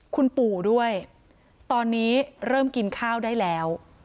คุณปู่ด้วยตอนนี้เริ่มกินข้าวได้แล้ว